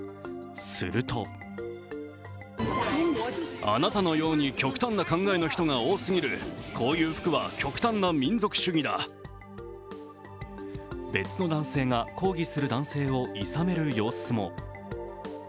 すると別の男性が抗議する男性をいさめる様子も。